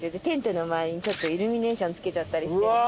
テントの周りにちょっとイルミネーションつけちゃったりして。